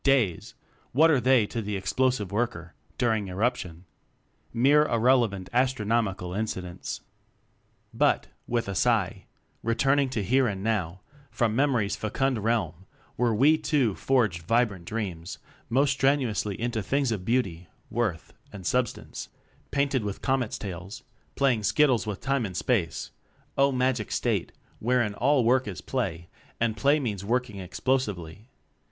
Days! What are they to the Explo sive Worker during eruption. Mere irrelevant astronomical incidents. But, with a sigh returning to here and now from memory's fecund realm, where we too forged vibrant dreams most strenuously into things of beauty, worth and substance, paint ed with comets' tails, playing skittles with time and space (Oh magic state, wherein all work is play, and play means working explosively!)